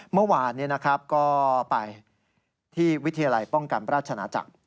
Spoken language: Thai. เมื่อวานก็ไปที่วิทยาลัยป้องกันราชนาจักร